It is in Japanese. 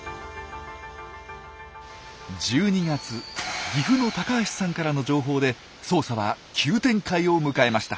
１２月岐阜の高橋さんからの情報で捜査は急展開を迎えました。